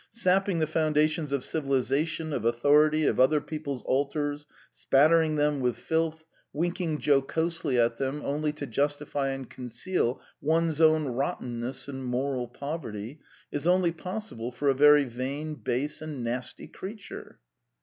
Sapping the foundations of civilisation, of authority, of other people's altars, spattering them with filth, winking jocosely at them only to justify and conceal one's own rottenness and moral poverty is only possible for a very vain, base, and nasty creature."